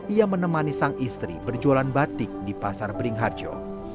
ia menemani sang istri berjualan batik di pasar beringharjo